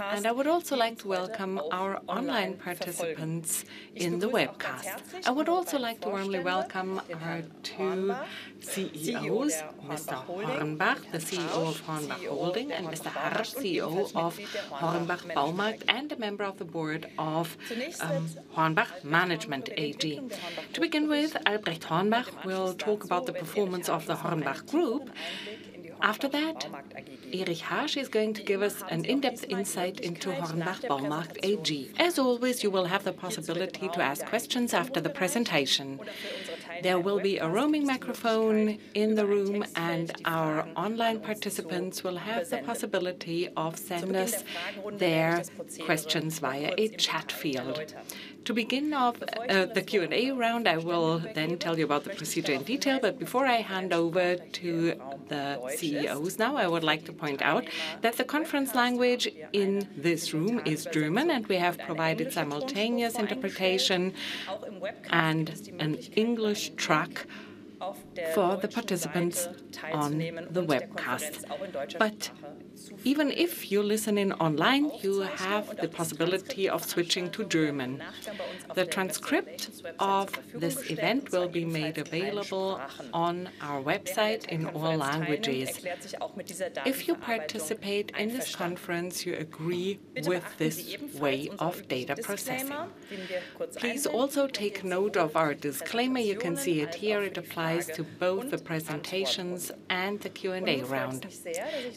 I would also like to welcome our online participants in the webcast. I would also like to warmly welcome our two CEOs, Albrecht Hornbach, the CEO of HORNBACH Holding, and Erich Harsch, CEO of HORNBACH Baumarkt and a member of the board of HORNBACH Management AG. To begin with, Albrecht Hornbach will talk about the performance of the HORNBACH Group. After that, Erich Harsch is going to give us an in-depth insight into HORNBACH Baumarkt AG. As always, you will have the possibility to ask questions after the presentation. There will be a roaming microphone in the room, and our online participants will have the possibility to send us their questions via a chat field. To begin the Q&A round, I will tell you about the procedure in detail. Before I hand over to the CEOs now, I would like to point out that the conference language in this room is German, and we have provided simultaneous interpretation and an English track for the participants on the webcast. Even if you listen in online, you have the possibility of switching to German. The transcript of this event will be made available on our website in all languages. If you participate in this conference, you agree with this way of data processing. Please also take note of our disclaimer. You can see it here. It applies to both the presentations and the Q&A round.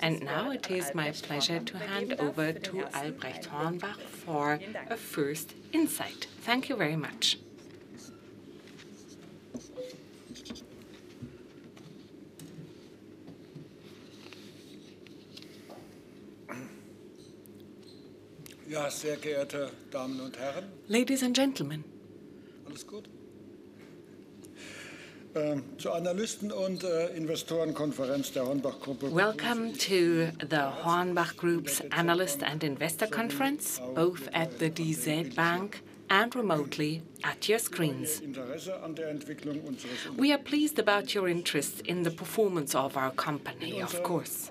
Now it is my pleasure to hand over to Albrecht Hornbach for a first insight. Thank you very much. Ladies and gentlemen. Welcome to the HORNBACH Group's analyst and investor conference, both at the DZ Bank and remotely at your screens. We are pleased about your interest in the performance of our company, of course.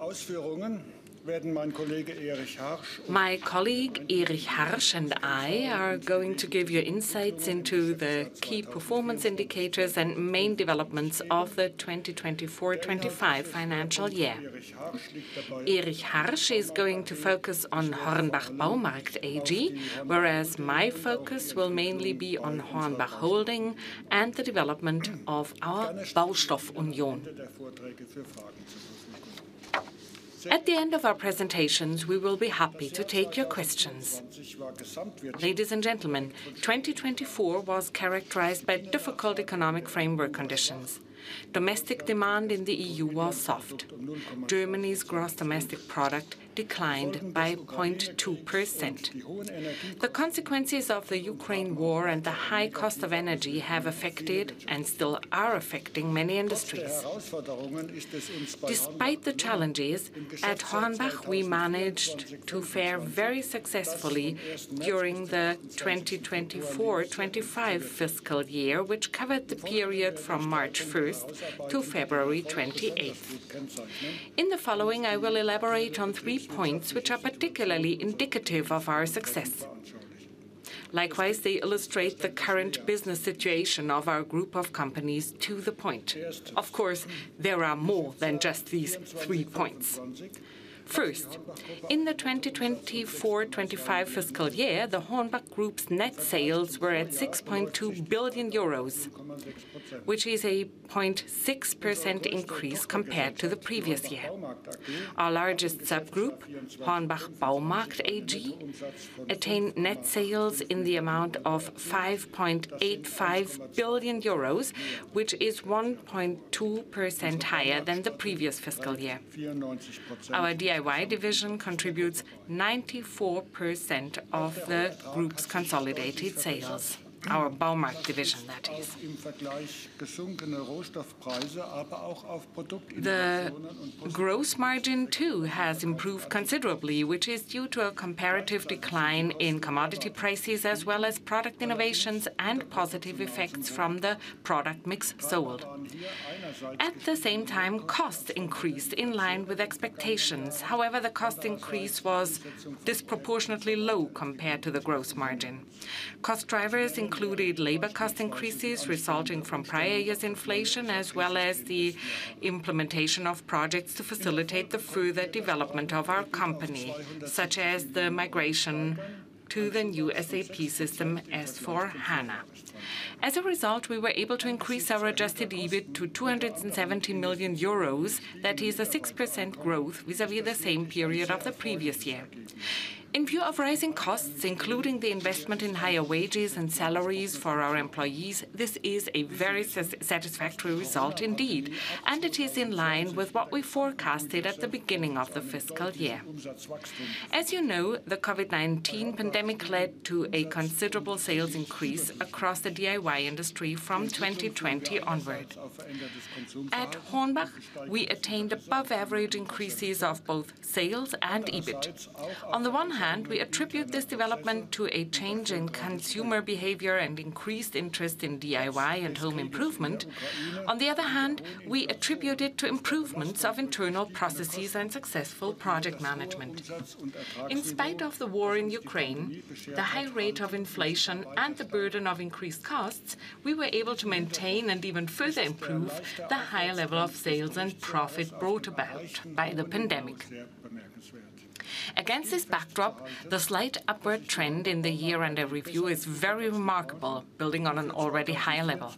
My colleague Erich Harsch and I are going to give you insights into the key performance indicators and main developments of the 2024/2025 financial year. Erich Harsch is going to focus on HORNBACH Baumarkt AG, whereas my focus will mainly be on HORNBACH Holding and the development of our Baustoff Union. At the end of our presentations, we will be happy to take your questions. Ladies and gentlemen, 2024 was characterized by difficult economic framework conditions. Domestic demand in the EU was soft. Germany's gross domestic product declined by 0.2%. The consequences of the Ukraine war and the high cost of energy have affected and still are affecting many industries. Despite the challenges, at HORNBACH we managed to fare very successfully during the FY 2024/2025, which covered the period from March 1st to February 28th. In the following, I will elaborate on three points which are particularly indicative of our success. Likewise, they illustrate the current business situation of our HORNBACH Group to the point. Of course, there are more than just these three points. First, in the FY 2024/2025, the HORNBACH Group's net sales were at 6.2 billion euros, which is a 0.6% increase compared to the previous year. Our largest subgroup, HORNBACH Baumarkt AG, attained net sales in the amount of 5.85 billion euros, which is 1.2% higher than the previous fiscal year. Our DIY division contributes 94% of the HORNBACH Group's consolidated sales, our Baumarkt division, that is. The gross margin too has improved considerably, which is due to a comparative decline in commodity prices as well as product innovations and positive effects from the product mix sold. At the same time, costs increased in line with expectations. However, the cost increase was disproportionately low compared to the gross margin. Cost drivers included labor cost increases resulting from prior years' inflation, as well as the implementation of projects to facilitate the further development of our company, such as the migration to the new SAP system S/4HANA. As a result, we were able to increase our adjusted EBIT to 270 million euros. That is a 6% growth vis-à-vis the same period of the previous year. In view of rising costs, including the investment in higher wages and salaries for our employees, this is a very satisfactory result indeed. It is in line with what we forecasted at the beginning of the fiscal year. As you know, the COVID-19 pandemic led to a considerable sales increase across the DIY industry from 2020 onward. At HORNBACH, we attained above average increases of both sales and EBIT. On the one hand, we attribute this development to a change in consumer behavior and increased interest in DIY and home improvement. On the other hand, we attribute it to improvements of internal processes and successful project management. In spite of the war in Ukraine, the high rate of inflation and the burden of increased costs, we were able to maintain and even further improve the higher level of sales and profit brought about by the pandemic. Against this backdrop, the slight upward trend in the year under review is very remarkable, building on an already high level.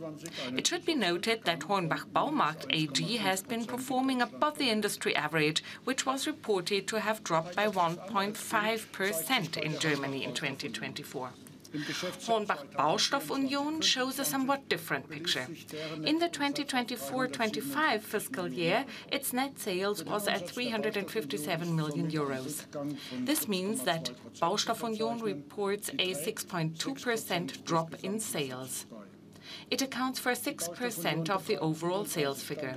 It should be noted that HORNBACH Baumarkt AG has been performing above the industry average, which was reported to have dropped by 1.5% in Germany in 2024. Hornbach Baustoff Union shows a somewhat different picture. In the 2024/2025 fiscal year, its net sales was at 357 million euros. This means that Baustoff Union reports a 6.2% drop in sales. It accounts for 6% of the overall sales figure.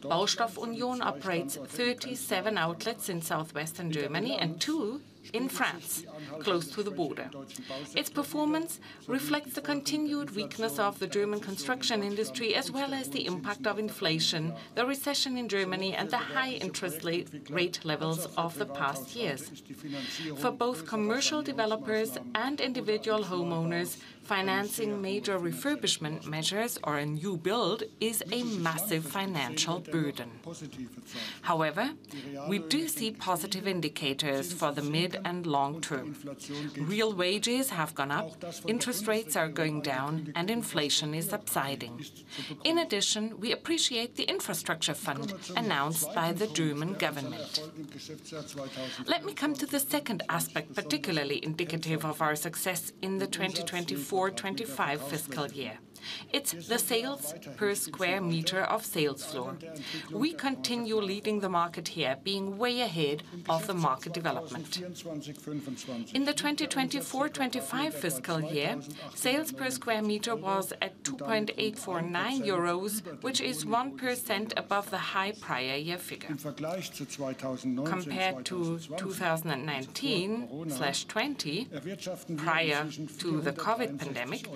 Baustoff Union operates 37 outlets in Southwestern Germany and two in France, close to the border. Its performance reflects the continued weakness of the German construction industry, as well as the impact of inflation, the recession in Germany, and the high interest rate levels of the past years. For both commercial developers and individual homeowners, financing major refurbishment measures or a new build is a massive financial burden. We do see positive indicators for the mid and long term. Real wages have gone up, interest rates are going down, and inflation is subsiding. We appreciate the infrastructure fund announced by the German government. Let me come to the second aspect, particularly indicative of our success in the 2024/2025 fiscal year. It's the sales per sq m of sales floor. We continue leading the market here, being way ahead of the market development. In the 2024/2025 fiscal year, sales per sq m was at 2.849 euros, which is 1% above the high prior year figure. Compared to 2019/2020, prior to the COVID-19 pandemic,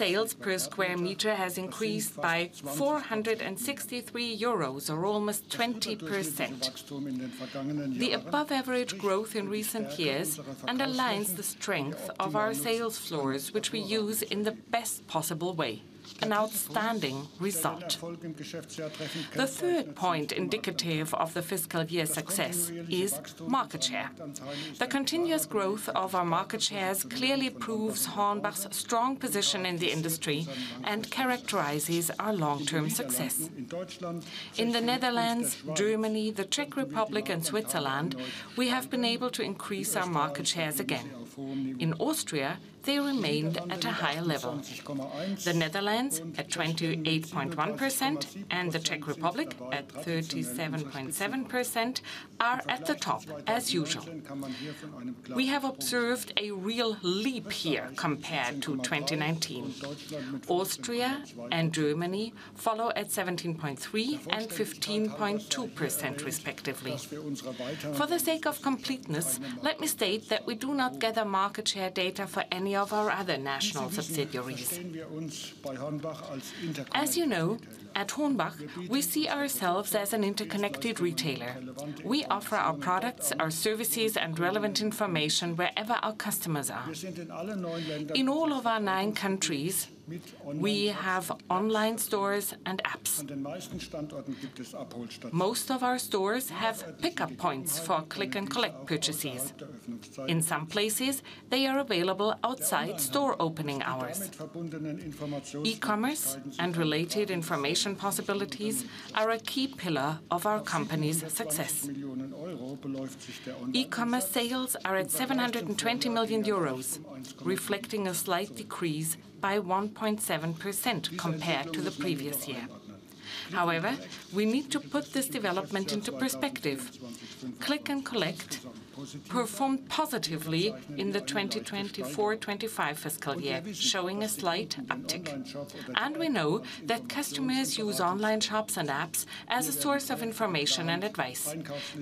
net sales per sq m has increased by 463 euros or almost 20%. The above average growth in recent years underlies the strength of our sales floors, which we use in the best possible way, an outstanding result. The third point indicative of the fiscal year success is market share. The continuous growth of our market shares clearly proves HORNBACH's strong position in the industry and characterizes our long-term success. In the Netherlands, Germany, the Czech Republic, and Switzerland, we have been able to increase our market shares again. In Austria, they remained at a high level. The Netherlands, at 28.1%, and the Czech Republic, at 37.7%, are at the top as usual. We have observed a real leap here compared to 2019. Austria and Germany follow at 17.3 and 15.2% respectively. For the sake of completeness, let me state that we do not gather market share data for any of our other national subsidiaries. As you know, at HORNBACH, we see ourselves as an interconnected retailer. We offer our products, our services, and relevant information wherever our customers are. In all of our nine countries, we have online stores and apps. Most of our stores have pickup points for click-and-collect purchases. In some places, they are available outside store opening hours. E-commerce and related information possibilities are a key pillar of our company's success. E-commerce sales are at 720 million euros, reflecting a slight decrease by 1.7% compared to the previous year. We need to put this development into perspective. Click and Collect performed positively in the 2024/2025 fiscal year, showing a slight uptick. We know that customers use online shops and apps as a source of information and advice.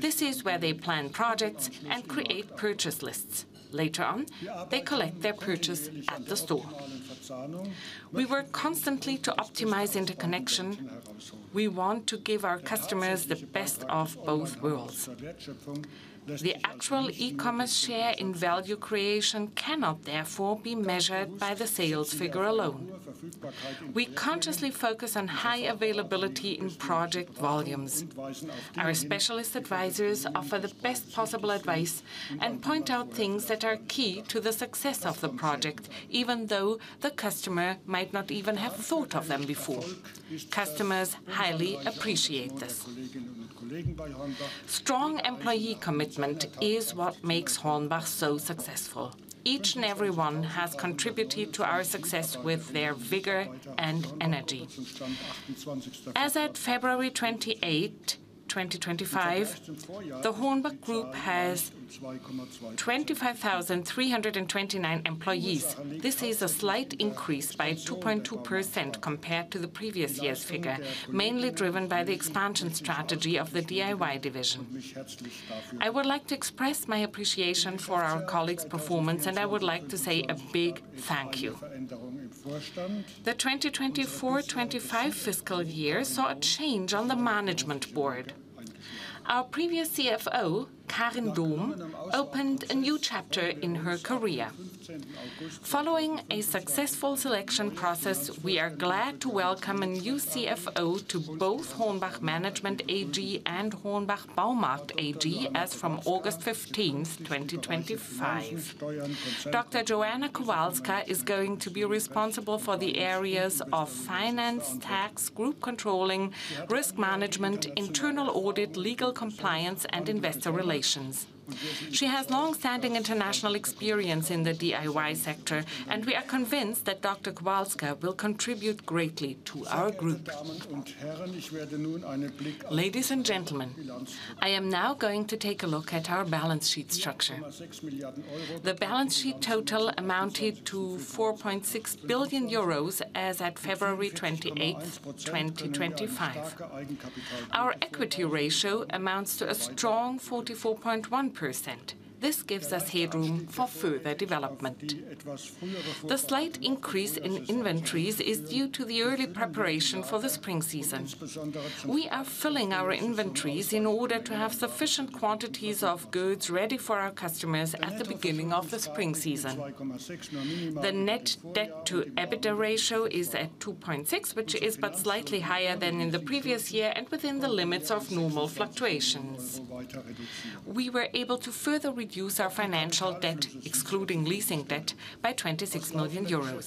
This is where they plan projects and create purchase lists. Later on, they collect their purchase at the store. We work constantly to optimize interconnection. We want to give our customers the best of both worlds. The actual e-commerce share in value creation cannot therefore be measured by the sales figure alone. We consciously focus on high availability in project volumes. Our specialist advisors offer the best possible advice and point out things that are key to the success of the project, even though the customer might not even have thought of them before. Customers highly appreciate this. Strong employee commitment is what makes HORNBACH so successful. Each and every one has contributed to our success with their vigor and energy. As at February 28, 2025, the HORNBACH Group has 25,329 employees. This is a slight increase by 2.2% compared to the previous year's figure, mainly driven by the expansion strategy of the DIY division. I would like to express my appreciation for our colleagues' performance, and I would like to say a big thank you. The 2024/2025 fiscal year saw a change on the Management Board. Our previous CFO, Karin Dohm opened a new chapter in her career. Following a successful selection process, we are glad to welcome a new CFO to both HORNBACH Management AG and HORNBACH Baumarkt AG as from August 15th, 2025. Dr. Joanna Kowalska is going to be responsible for the areas of finance, tax, group controlling, risk management, internal audit, legal compliance, and investor relations. She has longstanding international experience in the DIY sector, and we are convinced that Dr. Kowalska will contribute greatly to our group. Ladies and gentlemen, I am now going to take a look at our balance sheet structure. The balance sheet total amounted to 4.6 billion euros as at February 28th, 2025. Our equity ratio amounts to a strong 44.1%. This gives us headroom for further development. The slight increase in inventories is due to the early preparation for the spring season. We are filling our inventories in order to have sufficient quantities of goods ready for our customers at the beginning of the spring season. The net debt to EBITDA ratio is at 2.6, which is but slightly higher than in the previous year and within the limits of normal fluctuations. We were able to further reduce our financial debt, excluding leasing debt, by 26 million euros.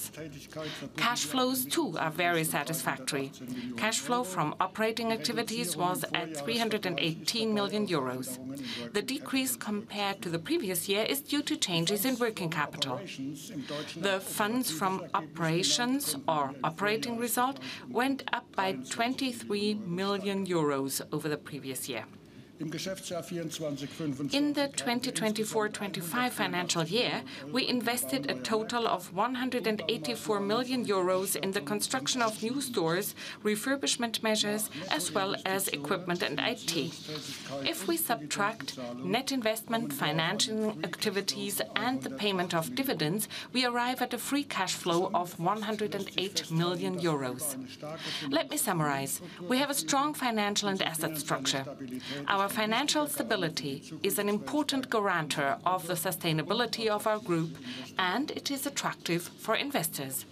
Cash flows too are very satisfactory. Cash flow from operating activities was at 318 million euros. The decrease compared to the previous year is due to changes in working capital. The funds from operations or operating result went up by 23 million euros over the previous year. In the 2024/25 financial year, we invested a total of 184 million euros in the construction of new stores, refurbishment measures, as well as equipment and IT. If we subtract net investment, financial activities, and the payment of dividends, we arrive at a free cash flow of 108 million euros. Let me summarize. We have a strong financial and asset structure. Our financial stability is an important guarantor of the sustainability of our group, and it is attractive for investors.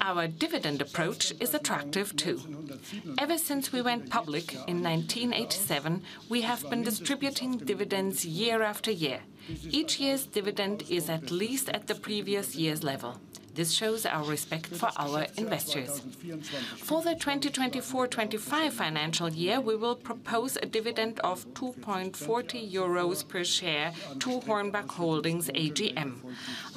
Our dividend approach is attractive too. Ever since we went public in 1987, we have been distributing dividends year-after-year. Each year's dividend is at least at the previous year's level. This shows our respect for our investors. For the 2024/25 financial year, we will propose a dividend of 2.40 euros per share to HORNBACH Holding's AGM.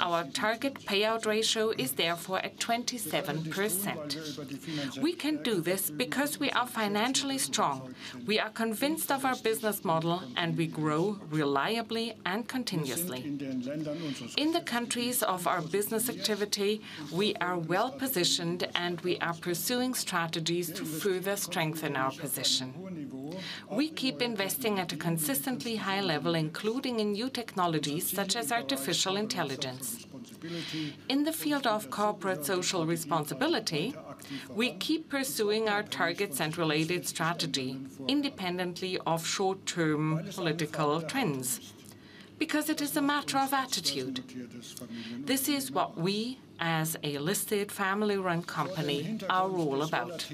Our target payout ratio is therefore at 27%. We can do this because we are financially strong. We are convinced of our business model, and we grow reliably and continuously. In the countries of our business activity, we are well-positioned, and we are pursuing strategies to further strengthen our position. We keep investing at a consistently high level, including in new technologies such as artificial intelligence. In the field of corporate social responsibility, we keep pursuing our targets and related strategy independently of short-term political trends, because it is a matter of attitude. This is what we, as a listed family-run company, are all about.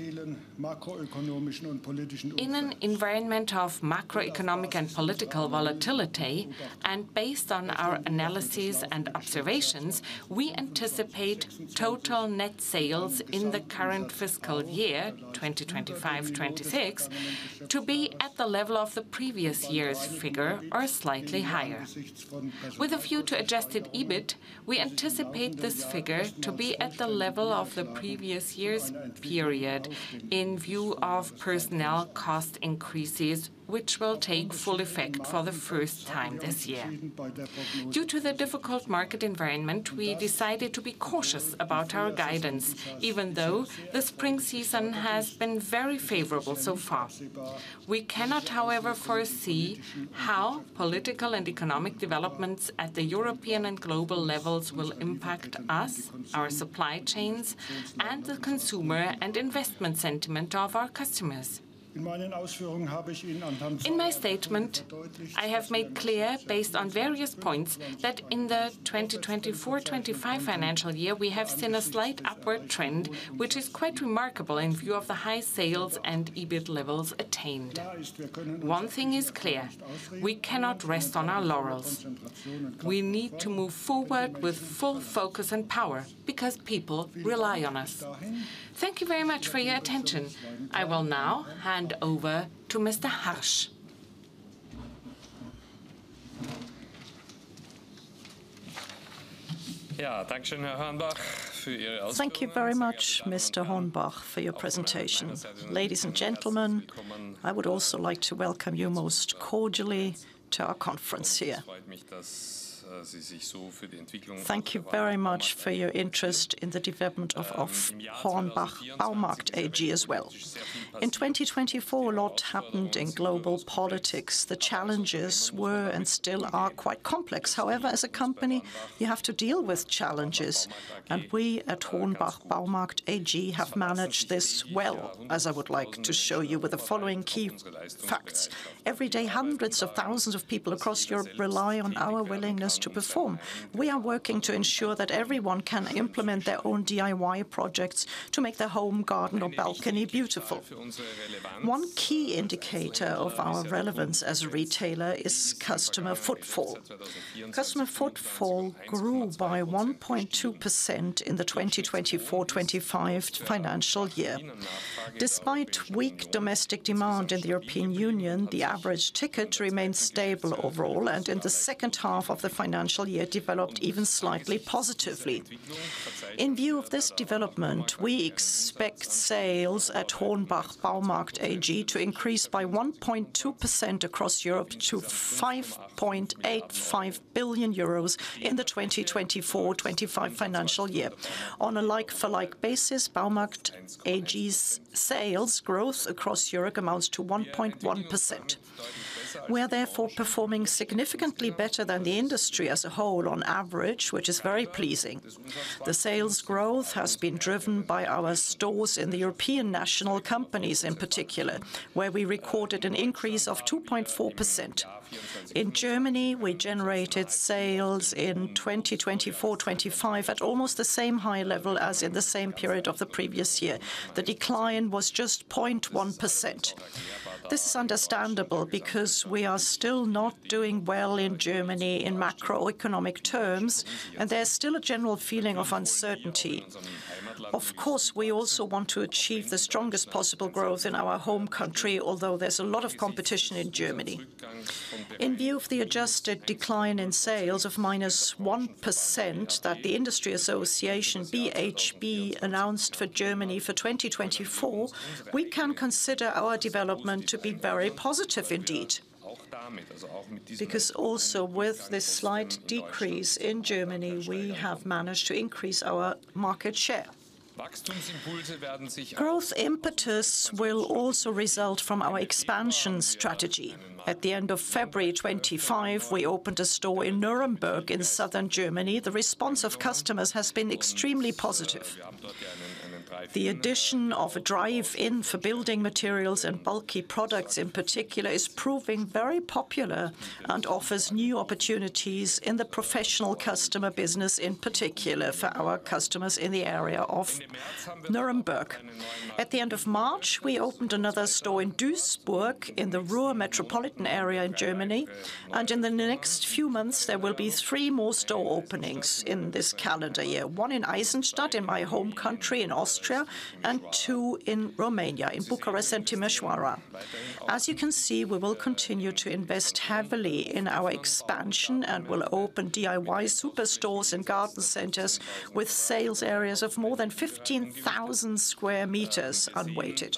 In an environment of macroeconomic and political volatility, and based on our analyses and observations, we anticipate total net sales in the current fiscal year 2025/2026 to be at the level of the previous year's figure or slightly higher. With a view to adjusted EBIT, we anticipate this figure to be at the level of the previous year's period in view of personnel cost increases, which will take full effect for the first time this year. Due to the difficult market environment, we decided to be cautious about our guidance, even though the spring season has been very favorable so far. We cannot, however, foresee how political and economic developments at the European and global levels will impact us, our supply chains, and the consumer and investment sentiment of our customers. In my statement, I have made clear, based on various points, that in the 2024/25 financial year we have seen a slight upward trend, which is quite remarkable in view of the high sales and EBIT levels attained. One thing is clear: we cannot rest on our laurels. We need to move forward with full focus and power because people rely on us. Thank you very much for your attention. I will now hand over to Mr. Harsch. Yeah. Thank you very much, Mr. Hornbach, for your presentation. Ladies and gentlemen, I would also like to welcome you most cordially to our conference here. Thank you very much for your interest in the development of HORNBACH Baumarkt AG as well. In 2024 a lot happened in global politics. The challenges were and still are quite complex. However, as a company, you have to deal with challenges, and we at HORNBACH Baumarkt AG have managed this well, as I would like to show you with the following key facts. Every day, hundreds of thousands of people across Europe rely on our willingness to perform. We are working to ensure that everyone can implement their own DIY projects to make their home, garden or balcony beautiful. One key indicator of our relevance as a retailer is customer footfall. Customer footfall grew by 1.2% in the 2024/2025 financial year. Despite weak domestic demand in the European Union, the average ticket remained stable overall, and in the second half of the financial year developed even slightly positively. In view of this development, we expect sales at HORNBACH Baumarkt AG to increase by 1.2% across Europe to 5.85 billion euros in the 2024/2025 financial year. On a like-for-like basis, Baumarkt AG's sales growth across Europe amounts to 1.1%. We are therefore performing significantly better than the industry as a whole on average, which is very pleasing. The sales growth has been driven by our stores in the European national companies in particular, where we recorded an increase of 2.4%. In Germany, we generated sales in 2024/2025 at almost the same high level as in the same period of the previous year. The decline was just 0.1%. This is understandable because we are still not doing well in Germany in macroeconomic terms, and there's still a general feeling of uncertainty. Of course, we also want to achieve the strongest possible growth in our home country, although there's a lot of competition in Germany. In view of the adjusted decline in sales of -1% that the industry association BHB announced for Germany for 2024, we can consider our development to be very positive indeed. Also with this slight decrease in Germany, we have managed to increase our market share. Growth impetus will also result from our expansion strategy. At the end of February 2025, we opened a store in Nuremberg in southern Germany. The response of customers has been extremely positive. The addition of a drive-in for building materials and bulky products in particular is proving very popular and offers new opportunities in the professional customer business, in particular for our customers in the area of Nuremberg. At the end of March, we opened another store in Duisburg in the Ruhr metropolitan area in Germany, and in the next few months there will be three more store openings in this calendar year. One in Eisenstadt in my home country, in Austria, and two in Romania, in Bucharest and Timisoara. As you can see, we will continue to invest heavily in our expansion and will open DIY superstores and garden centers with sales areas of more than 15,000 sq m unweighted.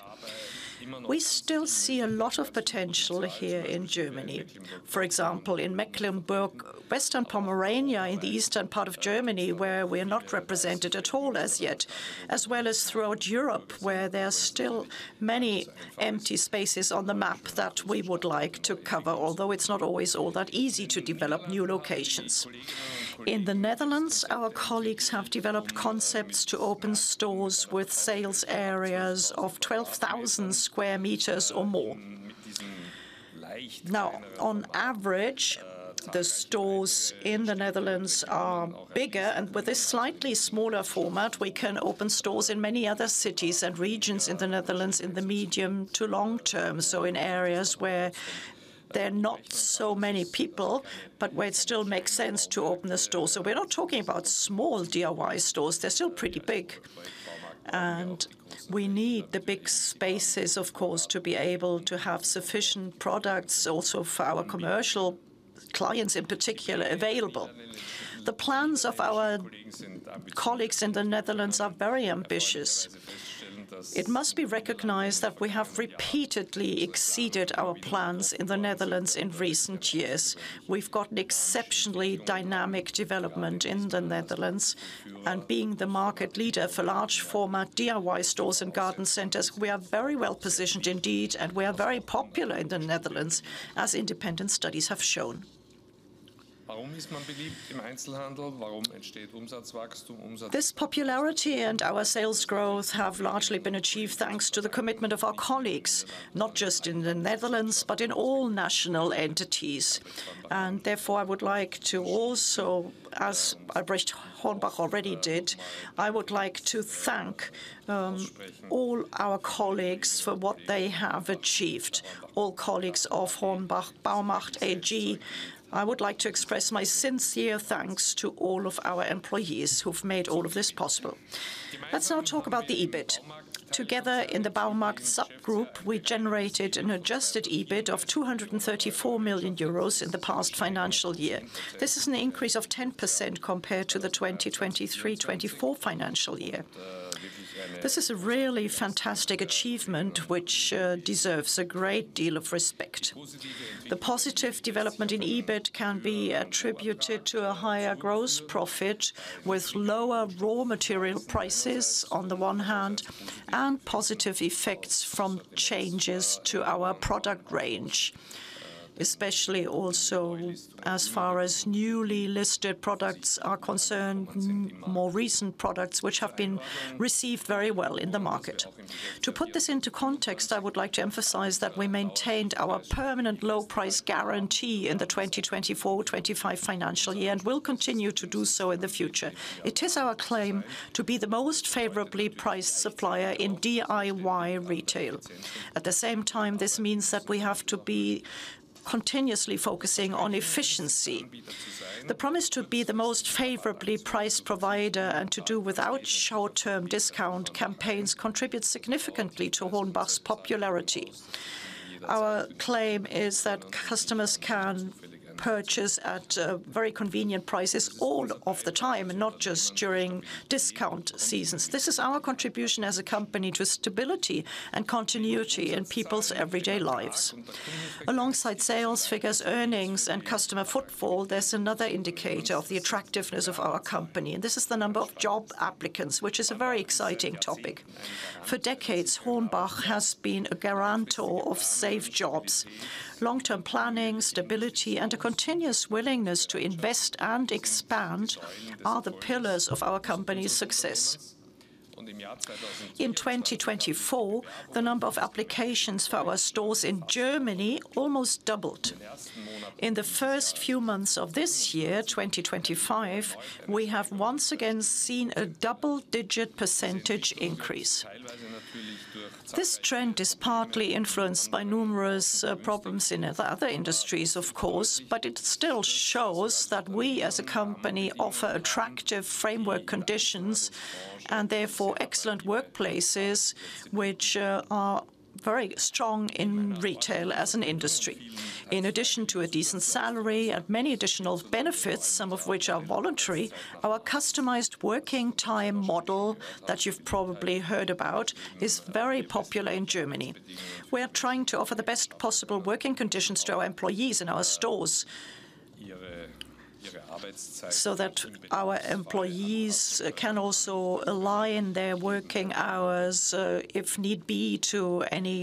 We still see a lot of potential here in Germany. For example, in Mecklenburg-Western Pomerania, in the eastern part of Germany, where we are not represented at all as yet, as well as throughout Europe, where there are still many empty spaces on the map that we would like to cover, although it's not always all that easy to develop new locations. In the Netherlands, our colleagues have developed concepts to open stores with sales areas of 12,000 sq m or more. On average, the stores in the Netherlands are bigger, and with a slightly smaller format, we can open stores in many other cities and regions in the Netherlands in the medium to long term. In areas where there are not so many people, but where it still makes sense to open a store. We're not talking about small DIY stores. They're still pretty big. We need the big spaces, of course, to be able to have sufficient products also for our commercial clients in particular available. The plans of our colleagues in the Netherlands are very ambitious. It must be recognized that we have repeatedly exceeded our plans in the Netherlands in recent years. We've got an exceptionally dynamic development in the Netherlands, and being the market leader for large format DIY stores and garden centers, we are very well-positioned indeed, and we are very popular in the Netherlands, as independent studies have shown. This popularity and our sales growth have largely been achieved thanks to the commitment of our colleagues, not just in the Netherlands, but in all national entities. Therefore, I would like to also, as Albrecht Hornbach already did, I would like to thank all our colleagues for what they have achieved. All colleagues of Hornbach Baumarkt AG. I would like to express my sincere thanks to all of our employees who've made all of this possible. Let's now talk about the EBIT. Together in the Baumarkt subgroup, we generated an adjusted EBIT of 234 million euros in the past financial year. This is an increase of 10% compared to the 2023/2024 financial year. This is a really fantastic achievement which deserves a great deal of respect. The positive development in EBIT can be attributed to a higher gross profit with lower raw material prices on the one hand, and positive effects from changes to our product range, especially also as far as newly listed products are concerned, more recent products which have been received very well in the market. To put this into context, I would like to emphasize that we maintained our permanent low price guarantee in the 2024/2025 financial year and will continue to do so in the future. It is our claim to be the most favorably priced supplier in DIY retail. At the same time, this means that we have to be continuously focusing on efficiency. The promise to be the most favorably priced provider and to do without short-term discount campaigns contributes significantly to HORNBACH's popularity. Our claim is that customers can purchase at very convenient prices all of the time, and not just during discount seasons. This is our contribution as a company to stability and continuity in people's everyday lives. Alongside sales figures, earnings, and customer footfall, there's another indicator of the attractiveness of our company, and this is the number of job applicants, which is a very exciting topic. For decades, HORNBACH has been a guarantor of safe jobs. Long-term planning, stability, and a continuous willingness to invest and expand are the pillars of our company's success. In 2024, the number of applications for our stores in Germany almost doubled. In the first few months of this year, 2025, we have once again seen a double-digit percentage increase. This trend is partly influenced by numerous problems in other industries, of course, but it still shows that we as a company offer attractive framework conditions and therefore excellent workplaces which are very strong in retail as an industry. In addition to a decent salary and many additional benefits, some of which are voluntary, our customized working time model that you've probably heard about is very popular in Germany. We're trying to offer the best possible working conditions to our employees in our stores, so that our employees can also align their working hours, if need be, to any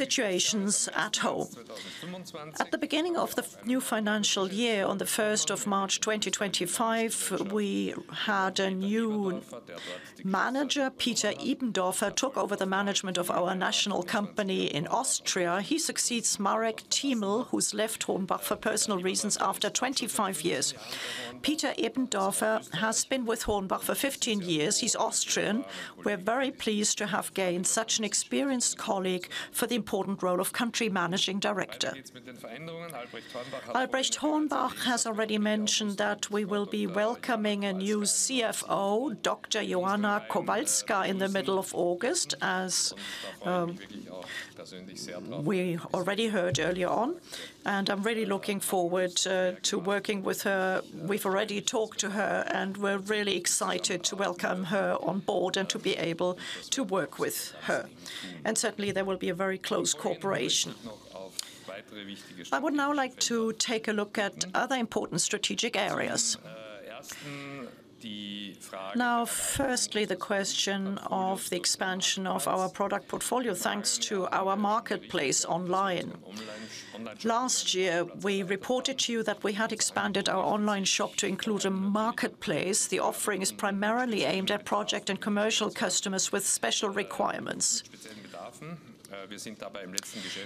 situations at home. At the beginning of the new financial year, on the 1st of March 2025, we had a new manager. Peter Eberdorfer took over the management of our national company in Austria. He succeeds Marek Thiemel, who's left HORNBACH for personal reasons after 25 years. Peter Eberdorfer has been with HORNBACH for 15 years. He's Austrian. We're very pleased to have gained such an experienced colleague for the important role of country managing director. Albrecht Hornbach has already mentioned that we will be welcoming a new CFO, Dr. Joanna Kowalska, in the middle of August, as we already heard earlier on, and I'm really looking forward to working with her. We've already talked to her, and we're really excited to welcome her on board and to be able to work with her, and certainly there will be a very close cooperation. I would now like to take a look at other important strategic areas. Now firstly, the question of the expansion of our product portfolio, thanks to our marketplace online. Last year, we reported to you that we had expanded our online shop to include a marketplace. The offering is primarily aimed at project and commercial customers with special requirements.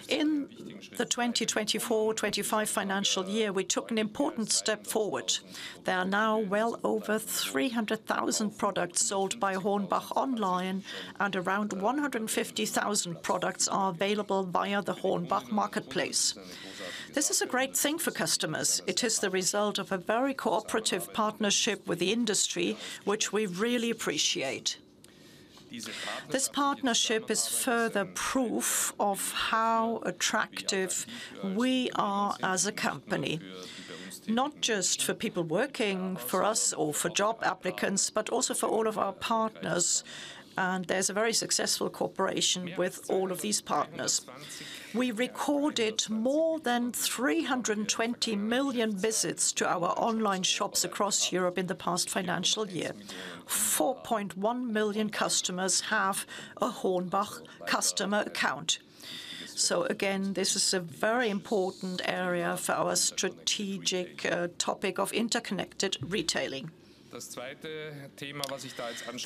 In the 2024/2025 financial year, we took an important step forward. There are now well over 300,000 products sold by HORNBACH online and around 150,000 products are available via the HORNBACH marketplace. This is a great thing for customers. It is the result of a very cooperative partnership with the industry, which we really appreciate. This partnership is further proof of how attractive we are as a company, not just for people working for us or for job applicants, but also for all of our partners, and there's a very successful cooperation with all of these partners. We recorded more than 320 million visits to our online shops across Europe in the past financial year. 4.1 million customers have a HORNBACH customer account. Again, this is a very important area for our strategic topic of interconnected retailing. The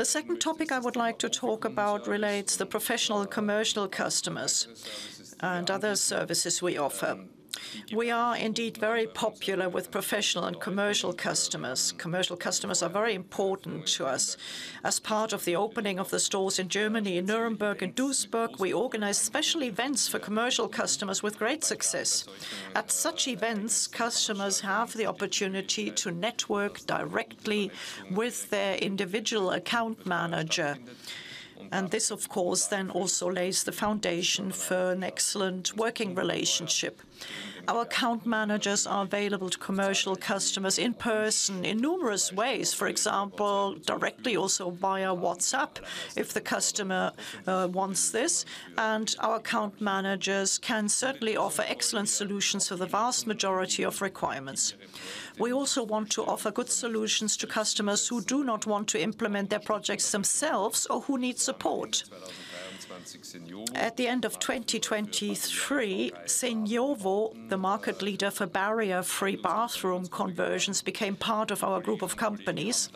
second topic I would like to talk about relates the professional commercial customers and other services we offer. We are indeed very popular with professional and commercial customers. Commercial customers are very important to us. As part of the opening of the stores in Germany, in Nuremberg and Duisburg, we organized special events for commercial customers with great success. This, of course, then also lays the foundation for an excellent working relationship. Our account managers are available to commercial customers in person in numerous ways, for example, directly also via WhatsApp if the customer wants this. Our account managers can certainly offer excellent solutions for the vast majority of requirements. We also want to offer good solutions to customers who do not want to implement their projects themselves or who need support. At the end of 2023, Seniovo, the market leader for barrier-free bathroom conversions, became part of our group of companies.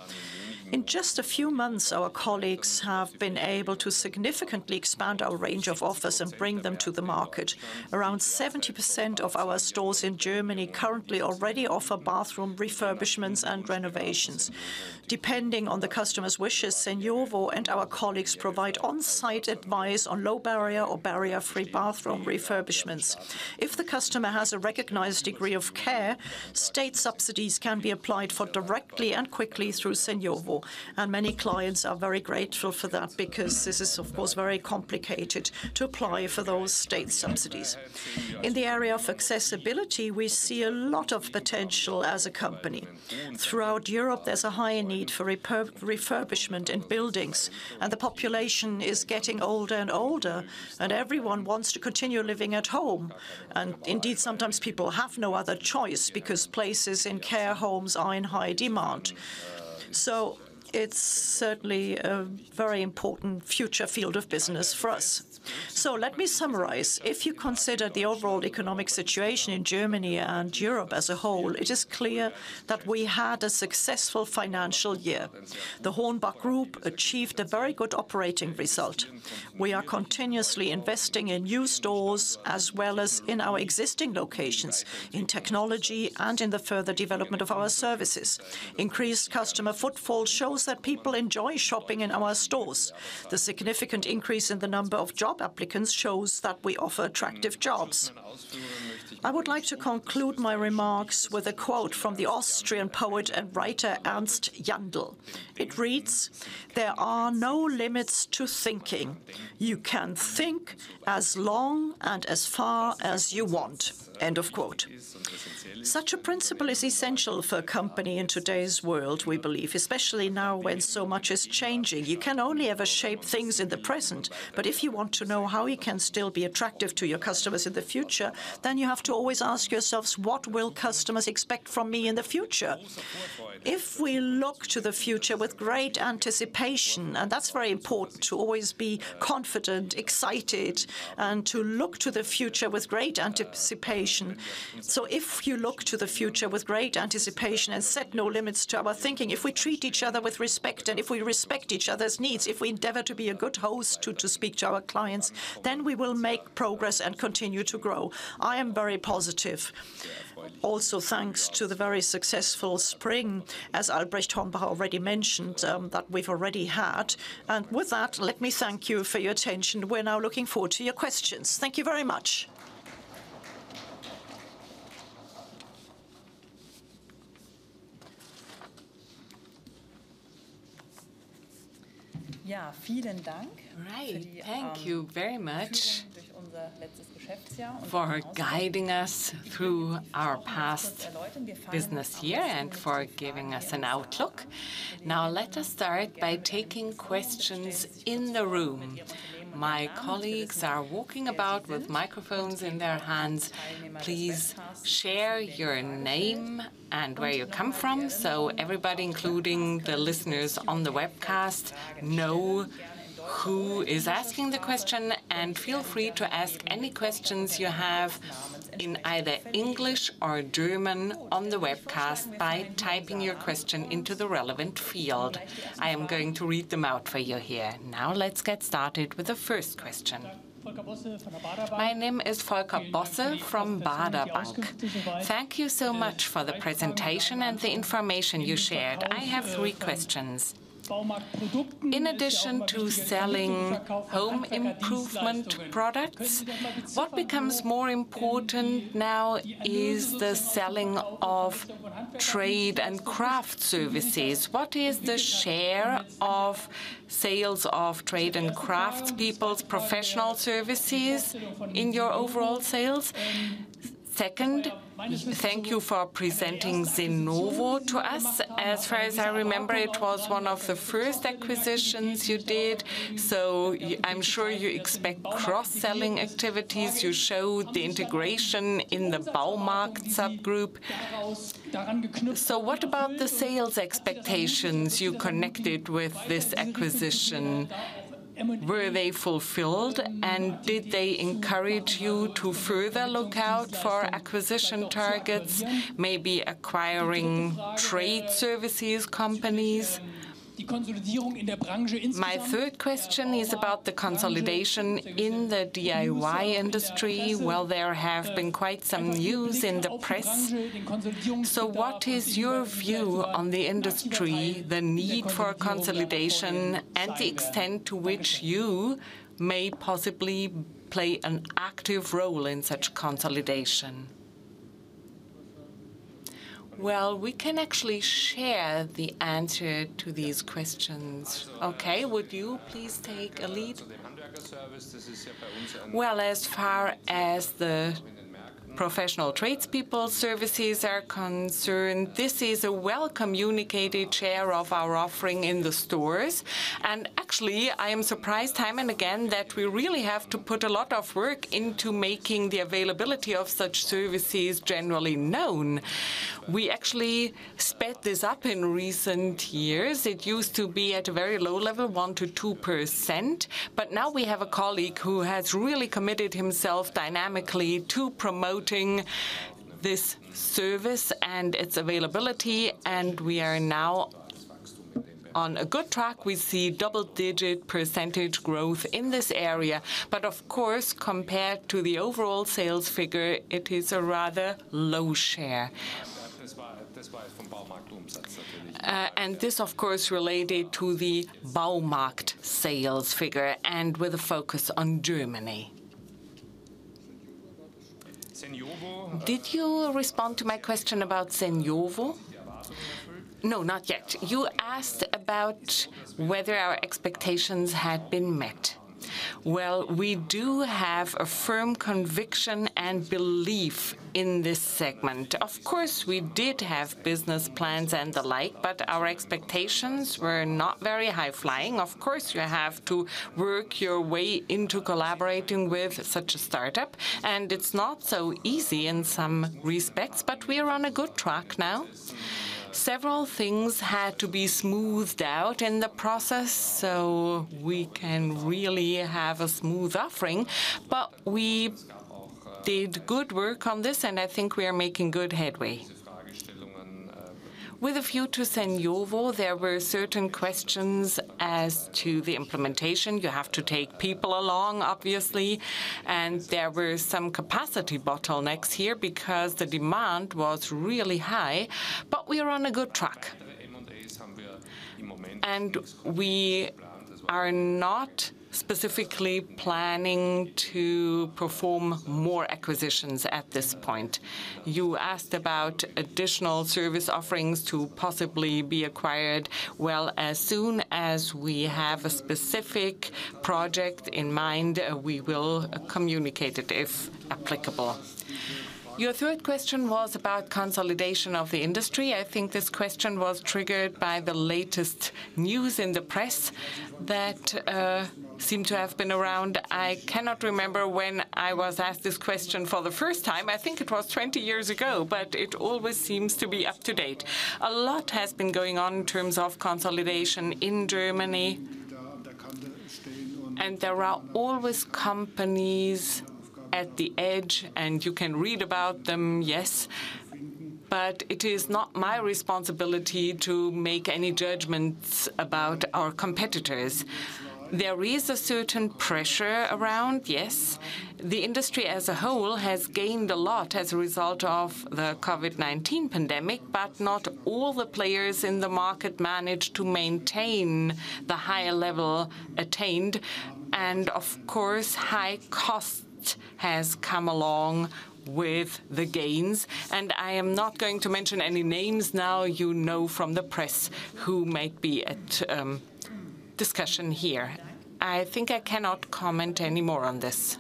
In just a few months, our colleagues have been able to significantly expand our range of offers and bring them to the market. Around 70% of our stores in Germany currently already offer bathroom refurbishments and renovations. Depending on the customer's wishes, Seniovo and our colleagues provide on-site advice on low-barrier or barrier-free bathroom refurbishments. If the customer has a recognized degree of care, state subsidies can be applied for directly and quickly through Seniovo, and many clients are very grateful for that because this is, of course, very complicated to apply for those state subsidies. In the area of accessibility, we see a lot of potential as a company. Throughout Europe, there's a high need for repair, refurbishment in buildings, and the population is getting older and older, and everyone wants to continue living at home. Indeed, sometimes people have no other choice because places in care homes are in high demand. It's certainly a very important future field of business for us. Let me summarize. If you consider the overall economic situation in Germany and Europe as a whole, it is clear that we had a successful financial year. The HORNBACH Group achieved a very good operating result. We are continuously investing in new stores as well as in our existing locations, in technology and in the further development of our services. Increased customer footfall shows that people enjoy shopping in our stores. The significant increase in the number of job applicants shows that we offer attractive jobs. I would like to conclude my remarks with a quote from the Austrian poet and writer, Ernst Jandl. It reads, "There are no limits to thinking. You can think as long and as far as you want." End of quote. Such a principle is essential for a company in today's world, we believe, especially now when so much is changing. You can only ever shape things in the present. If you want to know how you can still be attractive to your customers in the future, then you have to always ask yourselves, "What will customers expect from me in the future?" If we look to the future with great anticipation, and that's very important to always be confident, excited, and to look to the future with great anticipation. If you look to the future with great anticipation and set no limits to our thinking, if we treat each other with respect, and if we respect each other's needs, if we endeavor to be a good host to speak to our clients, then we will make progress and continue to grow. I am very positive. Also, thanks to the very successful spring, as Albrecht Hornbach already mentioned, that we've already had. With that, let me thank you for your attention. We're now looking forward to your questions. Thank you very much. Right. Thank you very much for guiding us through our past business year and for giving us an outlook. Let us start by taking questions in the room. My colleagues are walking about with microphones in their hands. Please share your name and where you come from so everybody, including the listeners on the webcast, know who is asking the question. Feel free to ask any questions you have in either English or German on the webcast by typing your question into the relevant field. I am going to read them out for you here. Let's get started with the first question. My name is Volker Bosse from Baader Bank. Thank you so much for the presentation and the information you shared. I have three questions. In addition to selling home improvement products, what becomes more important now is the selling of trade and craft services. What is the share of sales of trade and craftspeople's professional services in your overall sales? Second, thank you for presenting Seniovo to us. As far as I remember, it was one of the first acquisitions you did. I'm sure you expect cross-selling activities. You showed the integration in the Baumarkt subgroup. What about the sales expectations you connected with this acquisition? Were they fulfilled? Did they encourage you to further look out for acquisition targets, maybe acquiring trade services companies? My third question is about the consolidation in the DIY industry. While there have been quite some news in the press, so what is your view on the industry, the need for consolidation, and the extent to which you may possibly play an active role in such consolidation? Well, we can actually share the answer to these questions. Okay. Would you please take a lead? Well, as far as the professional tradespeople services are concerned, this is a well-communicated share of our offering in the stores. Actually, I am surprised time and again that we really have to put a lot of work into making the availability of such services generally known. We actually sped this up in recent years. It used to be at a very low level, 1%-2%, now we have a colleague who has really committed himself dynamically to promoting this service and its availability, and we are now on a good track. We see double-digit percentage growth in this area. Of course, compared to the overall sales figure, it is a rather low share. This of course related to the Baumarkt sales figure and with a focus on Germany. Did you respond to my question about Seniovo? No, not yet. You asked about whether our expectations had been met. Well, we do have a firm conviction and belief in this segment. Of course, we did have business plans and the like, but our expectations were not very high-flying. Of course, you have to work your way into collaborating with such a startup, and it's not so easy in some respects, but we are on a good track now. Several things had to be smoothed out in the process so we can really have a smooth offering. We did good work on this, and I think we are making good headway. With a view to Seniovo, there were certain questions as to the implementation. You have to take people along, obviously, and there were some capacity bottlenecks here because the demand was really high. We are on a good track. We are not specifically planning to perform more acquisitions at this point. You asked about additional service offerings to possibly be acquired. Well, as soon as we have a specific project in mind, we will communicate it if applicable. Your third question was about consolidation of the industry. I think this question was triggered by the latest news in the press that seemed to have been around. I cannot remember when I was asked this question for the first time. I think it was 20 years ago, it always seems to be up to date. A lot has been going on in terms of consolidation in Germany. There are always companies at the edge, and you can read about them, yes. It is not my responsibility to make any judgments about our competitors. There is a certain pressure around, yes. The industry as a whole has gained a lot as a result of the COVID-19 pandemic, not all the players in the market managed to maintain the higher level attained. Of course, high cost has come along with the gains. I am not going to mention any names now you know from the press who might be at discussion here. I think I cannot comment any more on this.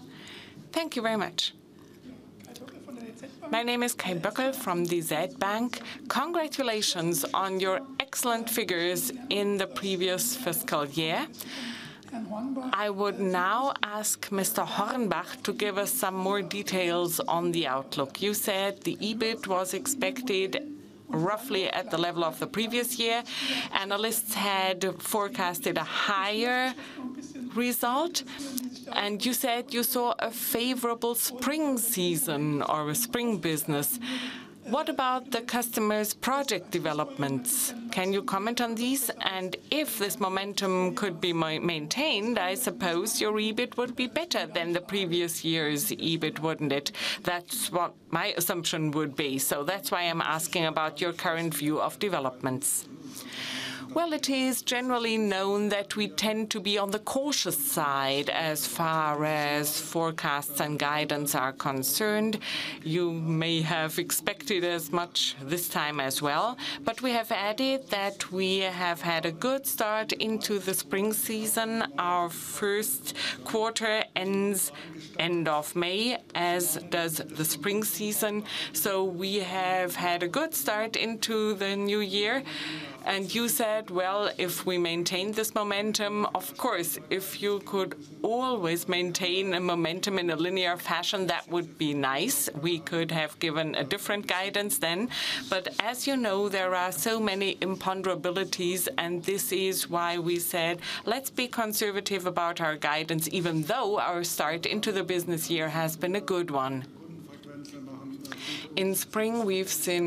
Thank you very much. My name is Kai Böckel from the DZ Bank. Congratulations on your excellent figures in the previous fiscal year. I would now ask Mr. Hornbach to give us some more details on the outlook. You said the EBIT was expected roughly at the level of the previous year. Analysts had forecasted a higher result. You said you saw a favorable spring season or a spring business. What about the customer's project developments? Can you comment on these? If this momentum could be maintained, I suppose your EBIT would be better than the previous year's EBIT, wouldn't it? That's what my assumption would be. That's why I'm asking about your current view of developments. Well, it is generally known that we tend to be on the cautious side as far as forecasts and guidance are concerned. You may have expected as much this time as well. We have added that we have had a good start into the spring season. Our first quarter ends end of May, as does the spring season. We have had a good start into the new year. You said, well, if we maintain this momentum. Of course, if you could always maintain a momentum in a linear fashion, that would be nice. We could have given a different guidance then. As you know, there are so many imponderabilities, and this is why we said, "Let's be conservative about our guidance, even though our start into the business year has been a good one." In spring we've seen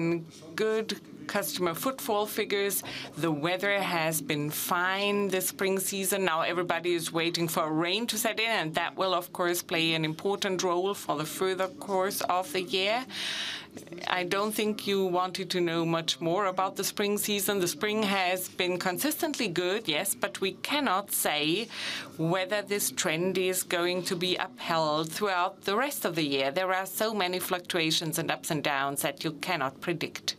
good customer footfall figures. The weather has been fine this spring season. Now everybody is waiting for rain to set in, and that will of course, play an important role for the further course of the year. I don't think you wanted to know much more about the spring season. The spring has been consistently good, yes. We cannot say whether this trend is going to be upheld throughout the rest of the year. There are so many fluctuations and ups and downs that you cannot predict.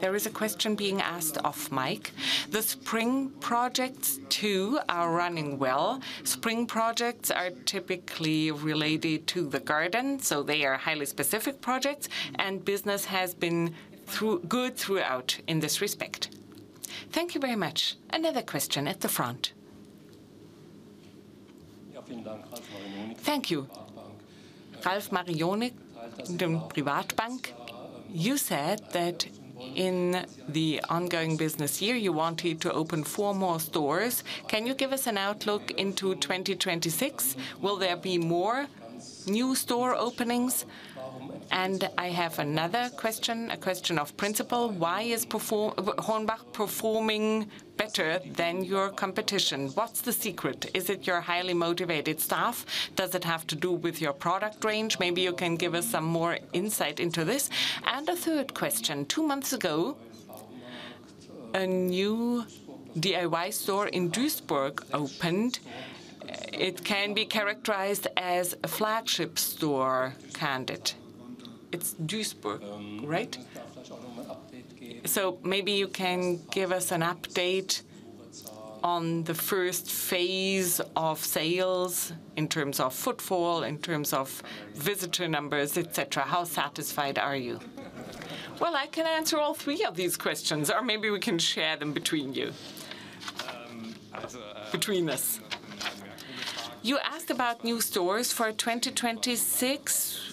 There is a question being asked off-mic. The spring projects too are running well. Spring projects are typically related to the garden, so they are highly specific projects, and business has been good throughout in this respect. Thank you very much. Another question at the front. Thank you. Ralf Marinoni, Privatbank. You said that in the ongoing business year you wanted to open four more stores. Can you give us an outlook into 2026? Will there be more new store openings? I have another question, a question of principle. Why is HORNBACH performing better than your competition? What's the secret? Is it your highly motivated staff? Does it have to do with your product range? Maybe you can give us some more insight into this. A third question. Two months ago, a new DIY store in Duisburg opened. It can be characterized as a flagship store, can't it? It's Duisburg, right? Maybe you can give us an update on the first phase of sales in terms of footfall, in terms of visitor numbers, et cetera. How satisfied are you? I can answer all three of these questions, or maybe we can share them between us. You asked about new stores. For 2026,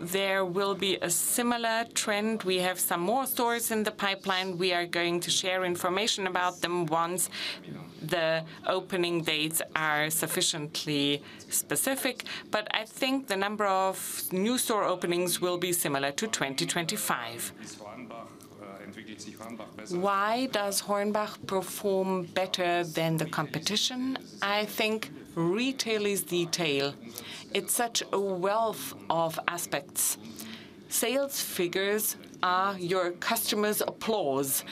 there will be a similar trend. We have some more stores in the pipeline. We are going to share information about them once the opening dates are sufficiently specific. I think the number of new store openings will be similar to 2025. Why does Hornbach perform better than the competition? I think retail is detail. It's such a wealth of aspects. Sales figures are your customers' applause.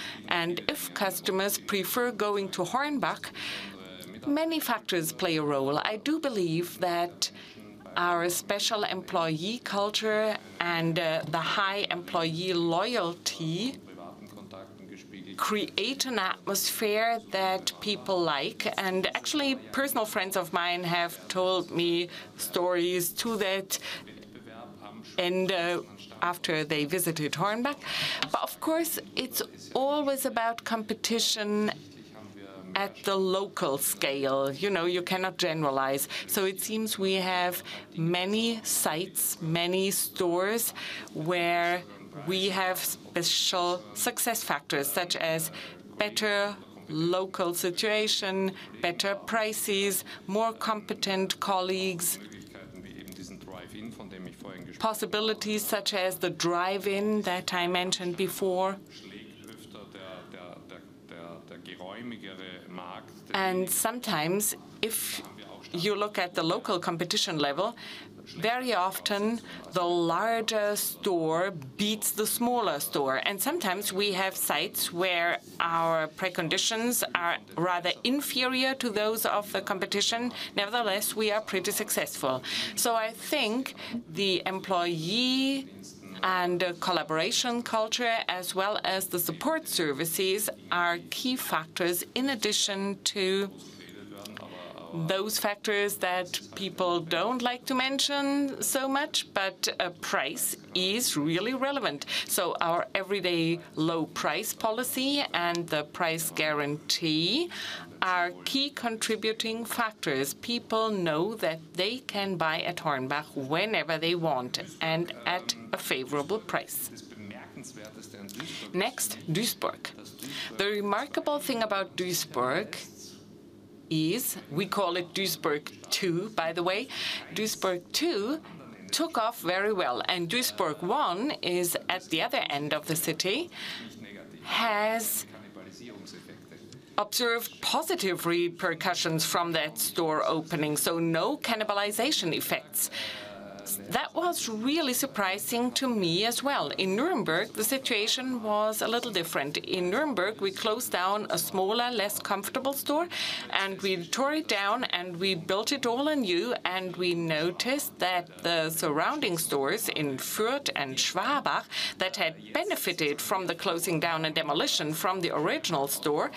If customers prefer going to Hornbach, many factors play a role. I do believe that our special employee culture and the high employee loyalty create an atmosphere that people like. Actually, personal friends of mine have told me stories to that after they visited HORNBACH. Of course, it's always about competition at the local scale. You know, you cannot generalize. It seems we have many sites, many stores where we have special success factors, such as better local situation, better prices, more competent colleagues. Possibilities such as the drive-in that I mentioned before. Sometimes if you look at the local competition level, very often the larger store beats the smaller store. Sometimes we have sites where our preconditions are rather inferior to those of the competition. Nevertheless, we are pretty successful. I think the employee and collaboration culture, as well as the support services, are key factors in addition to those factors that people don't like to mention so much. Price is really relevant. Our everyday low price policy and the price guarantee are key contributing factors. People know that they can buy at HORNBACH whenever they want and at a favorable price. Next, Duisburg. The remarkable thing about Duisburg is, we call it Duisburg 2, by the way. Duisburg 2 took off very well, and Duisburg 1 is at the other end of the city. Has observed positive repercussions from that store opening, so no cannibalization effects. That was really surprising to me as well. In Nuremberg, the situation was a little different. In Nuremberg, we closed down a smaller, less comfortable store, and we tore it down and we built it all anew. We noticed that the surrounding stores in Fürth and Schwabach that had benefited from the closing down and demolition from the original store,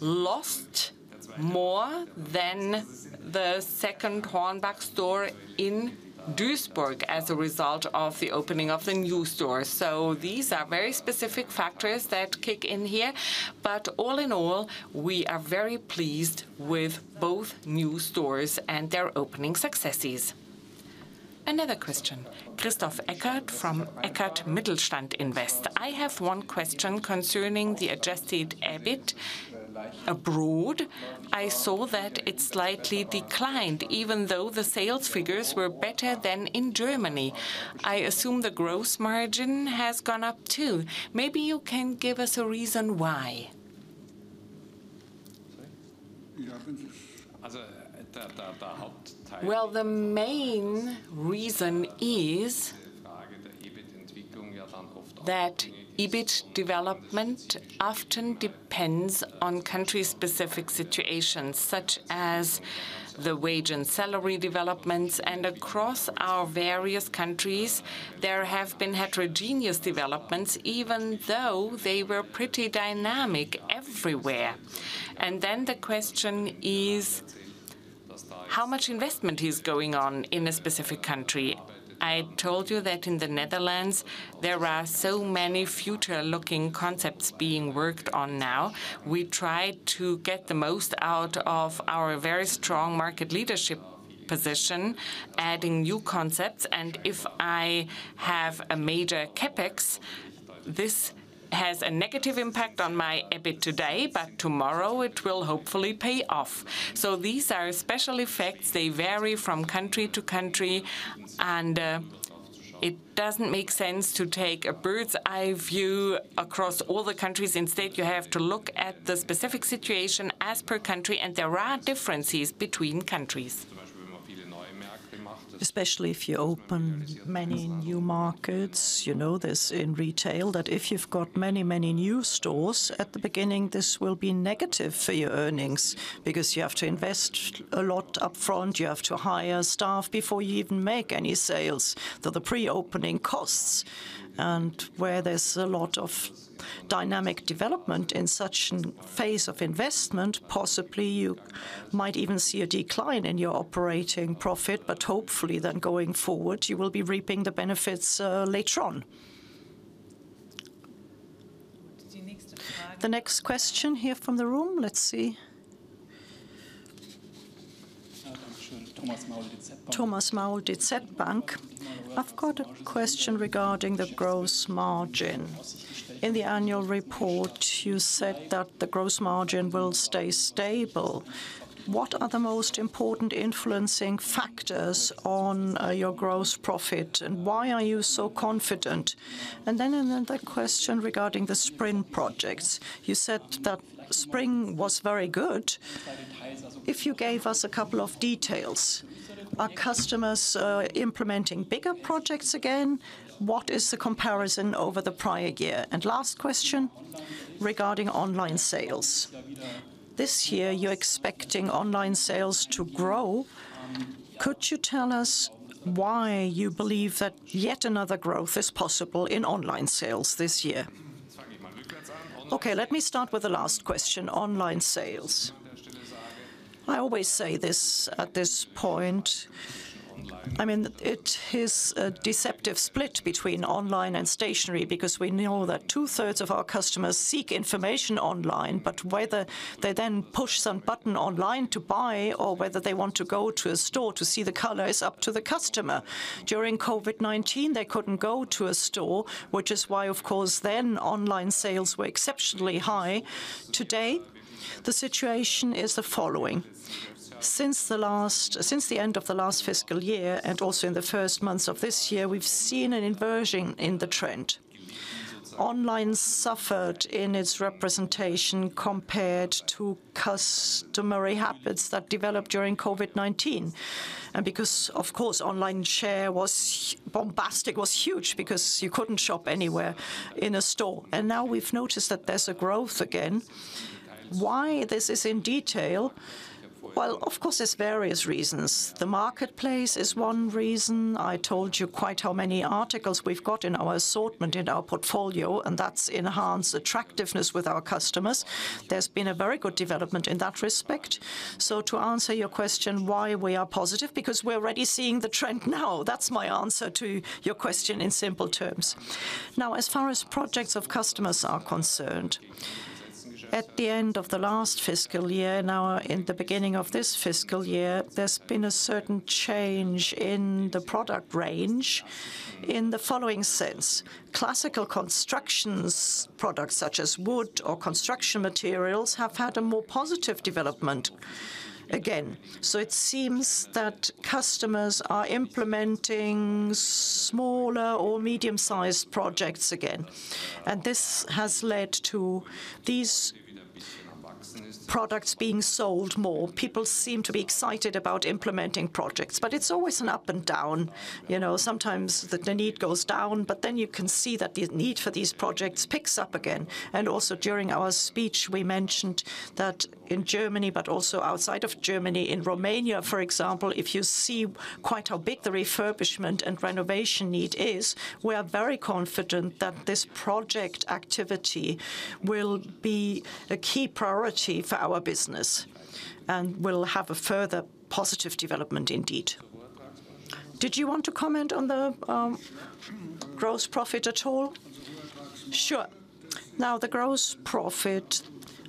lost more than the second HORNBACH store in Duisburg as a result of the opening of the new store. These are very specific factors that kick in here. All in all, we are very pleased with both new stores and their opening successes. Another question. Christoph Eckert from Eckert Mittelstand Invest. I have 1 question concerning the adjusted EBIT abroad. I saw that it slightly declined even though the sales figures were better than in Germany. I assume the gross margin has gone up too. Maybe you can give us a reason why. Well, the main reason is that EBIT development often depends on country-specific situations, such as the wage and salary developments. Across our various countries, there have been heterogeneous developments, even though they were pretty dynamic everywhere. The question is how much investment is going on in a specific country? I told you that in the Netherlands there are so many future-looking concepts being worked on now. We try to get the most out of our very strong market leadership position, adding new concepts. If I have a major CapEx, this has a negative impact on my EBIT today, but tomorrow it will hopefully pay off. These are special effects. They vary from country to country, and it doesn't make sense to take a bird's-eye view across all the countries. Instead, you have to look at the specific situation as per country, and there are differences between countries. Especially if you open many new markets. You know this in retail, that if you've got many new stores at the beginning, this will be negative for your earnings because you have to invest a lot upfront. You have to hire staff before you even make any sales. They're the pre-opening costs. Where there's a lot of dynamic development in such a phase of investment, possibly you might even see a decline in your operating profit. Hopefully then going forward, you will be reaping the benefits later on. The next question here from the room. Let's see. Thomas Maul, DZ Bank. I've got a question regarding the gross margin. In the annual report, you said that the gross margin will stay stable. What are the most important influencing factors on your gross profit, and why are you so confident? Another question regarding the spring projects. You said that spring was very good. If you gave us a couple of details. Are customers implementing bigger projects again? What is the comparison over the prior year? Last question regarding online sales. This year you're expecting online sales to grow. Could you tell us why you believe that yet another growth is possible in online sales this year? Let me start with the last question, online sales. I always say this at this point, I mean, it is a deceptive split between online and stationary because we know that 2/3 of our customers seek information online. Whether they then push some button online to buy or whether they want to go to a store to see the color is up to the customer. During COVID-19, they couldn't go to a store, which is why, of course, then online sales were exceptionally high. Today, the situation is the following: Since the end of the last fiscal year and also in the first months of this year, we've seen an inversion in the trend. Online suffered in its representation compared to customary habits that developed during COVID-19. Because of course, online share was bombastic, was huge because you couldn't shop anywhere in a store. Now we've noticed that there's a growth again. Why this is in detail? Well, of course, there's various reasons. The marketplace is one reason. I told you quite how many articles we've got in our assortment, in our portfolio. That's enhanced attractiveness with our customers. There's been a very good development in that respect. To answer your question, why we are positive. We're already seeing the trend now. That's my answer to your question in simple terms. As far as projects of customers are concerned, at the end of the last fiscal year, in the beginning of this fiscal year, there's been a certain change in the product range in the following sense. Classical constructions products such as wood or construction materials, have had a more positive development again. It seems that customers are implementing smaller or medium-sized projects again. This has led to these products being sold more. People seem to be excited about implementing projects. It's always an up and down. You know, sometimes the need goes down, but then you can see that the need for these projects picks up again. During our speech, we mentioned that in Germany, but also outside of Germany, in Romania, for example, if you see quite how big the refurbishment and renovation need is, we are very confident that this project activity will be a key priority for our business and will have a further positive development indeed. Did you want to comment on the gross profit at all? Sure. The gross profit,